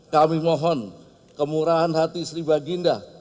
kami mohon kemurahan hati sri baginda